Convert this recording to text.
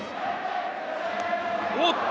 おっと！